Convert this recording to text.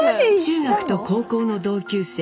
中学と高校の同級生